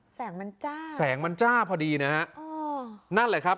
แสงมันจ้าแสงมันจ้าพอดีนะฮะอ๋อนั่นแหละครับ